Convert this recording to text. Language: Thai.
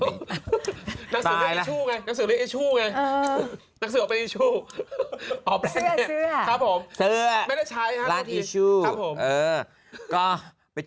หนังสือเล่นอีชูไงหนังสือเล่นอีชูไง